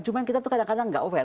cuma kita tuh kadang kadang gak aware